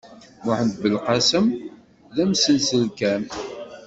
Muḥend Belqasem, d amsenselkam.